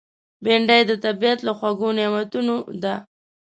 بېنډۍ د طبیعت له خوږو نعمتونو ده